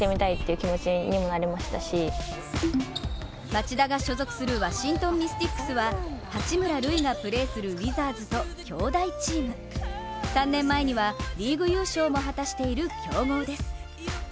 町田が所属するワシントンミスティックスは八村塁がプレーするウィザーズと兄妹チーム、３年前にはリーグ優勝も果たしている強豪です。